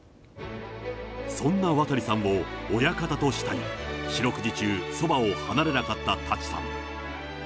そんな渡さんを親方と慕い、四六時中そばを離れなかった舘さん。